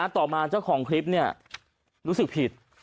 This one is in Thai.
ต่อมาเจ้าของคลิปรู้สึกผิด